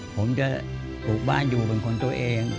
ผมจะปลูกบ้านอยู่เป็นของตัวเอง